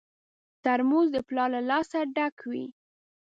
ترموز د پلار له لاسه ډک وي.